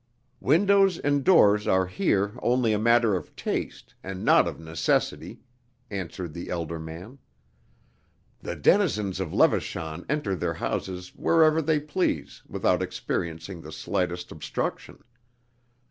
"Windows and doors are here only a matter of taste, and not of necessity," answered the elder man; "the denizens of Levachan enter their houses wherever they please without experiencing the slightest obstruction.